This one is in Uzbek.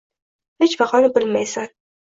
Hech vaqoni bilmaysan.